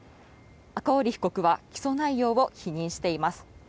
赤堀被告は起訴内容を否認しています。